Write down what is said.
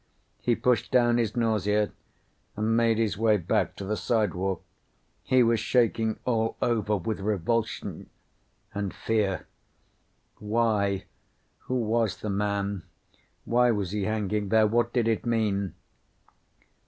He pushed down his nausea and made his way back to the sidewalk. He was shaking all over, with revulsion and fear. Why? Who was the man? Why was he hanging there? What did it mean?